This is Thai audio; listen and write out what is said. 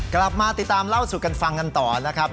กลับมาติดตามเล่าสู่กันฟังกันต่อนะครับ